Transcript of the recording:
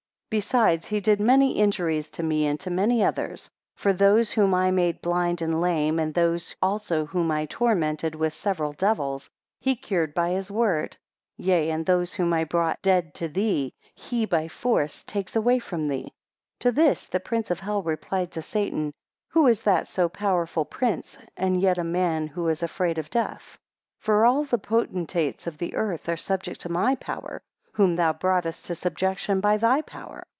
3 Besides he did many injuries to me and to many others; for those whom I made blind and lame and those also whom I tormented with several devils, he cured by his word; yea, and those whom I brought dead to thee, he by force takes away from thee. 4 To this the prince of hell replied to Satan, Who is that so powerful prince, and yet a man who is afraid of death? 5 For all the potentates of the earth are subject to my power, whom thou broughtest to subjection by thy power.